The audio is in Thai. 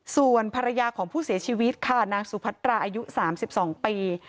ส่วนภรรยาของผู้เสียชีวิตค่ะนางสุพัตราอายุ๓๒ปี